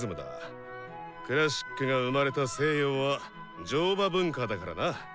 クラシックが生まれた西洋は乗馬文化だからな。